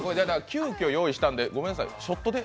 急きょ用意したんで、ごめんなさい、ショットで。